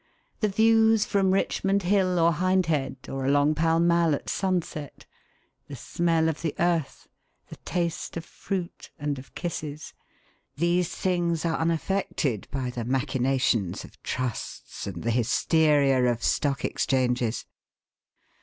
The views from Richmond Hill or Hindhead, or along Pall Mall at sunset, the smell of the earth, the taste of fruit and of kisses these things are unaffected by the machinations of trusts and the hysteria of stock exchanges.